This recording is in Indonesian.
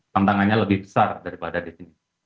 tantangannya lebih besar daripada di sini